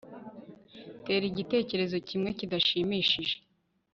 tera igitekerezo kimwe kidashimishije